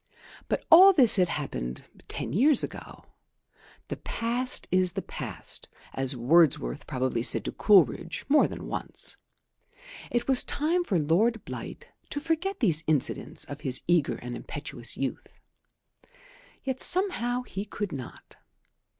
But all this had happened ten years ago. The past is the past, as Wordsworth probably said to Coleridge more than once. It was time for Lord Blight to forget these incidents of his eager and impetuous youth. Yet somehow he could not.